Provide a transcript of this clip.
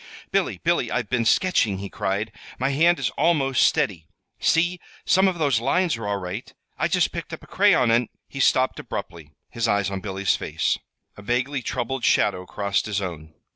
"Billy, Billy, I've been sketching," he cried. "My hand is almost steady. See, some of those lines are all right! I just picked up a crayon and " He stopped abruptly, his eyes on Billy's face. A vaguely troubled shadow crossed his own.